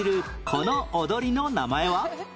この踊りの名前は？